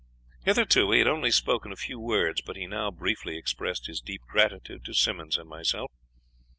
"Hitherto he had only spoken a few words; but he now briefly expressed his deep gratitude to Simmonds and myself.